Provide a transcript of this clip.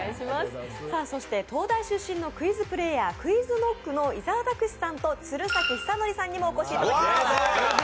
そして東大出身のクイズプレーヤーＱｕｉｚＫｎｏｃｋの伊沢拓司さんと鶴崎修功さんにもお越しいただきました。